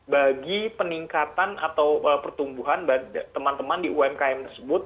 bagi peningkatan atau pertumbuhan teman teman di umkm tersebut